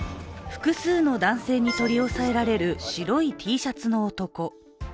複数の男性に取り押さえられる白いＴシャツの男。